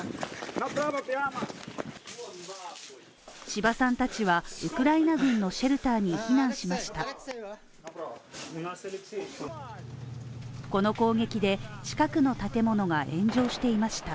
志葉さんたちはウクライナ軍のシェルターに避難しました